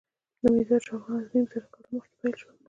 له میلاده شاوخوا نهه نیم زره کاله مخکې پیل شول.